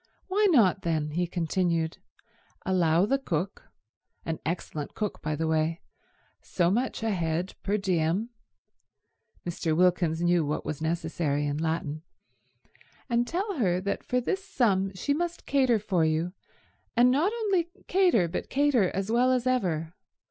"Why not, then," he continued, "allow the cook—an excellent cook, by the way—so much a head per diem"—Mr. Wilkins knew what was necessary in Latin—"and tell her that for this sum she must cater for you, and not only cater but cater as well as ever?